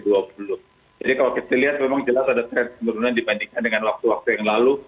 jadi kalau kita lihat memang jelas ada trend keurunan dibandingkan dengan waktu waktu yang lalu